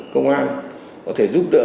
công an có thể giúp đỡ